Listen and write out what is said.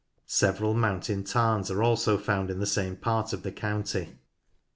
Several mountain tarns also are found in the same part of the county.